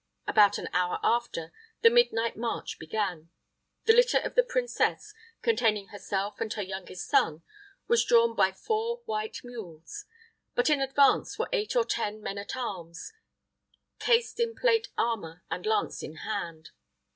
About an hour after, the midnight march began. The litter of the princess, containing herself and her youngest son, was drawn by four white mules; but in advance were eight or ten men at arms, cased in plate armor, and lance in hand.